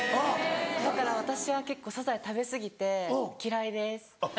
だから私は結構サザエ食べ過ぎて嫌いです。